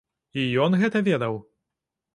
І ён гэта ведаў.